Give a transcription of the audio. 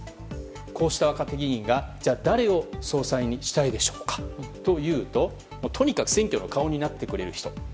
こうした若手議員が誰を総裁にしたいでしょうかというととにかく選挙の顔になってくれる人。